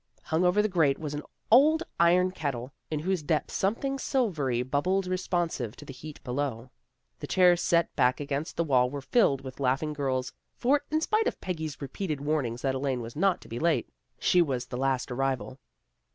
Hung over the grate was an old iron kettle, in whose depths something silvery bubbled responsive to the heat below. The chairs set back against the wall were filled with laughing girls; for, in spite of Peggy's repeated warnings that Elaine was not to be late, she was the last arrival.